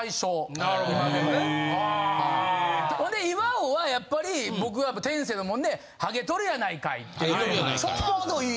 岩尾はやっぱり僕は天性のもんでハゲとるやないかい。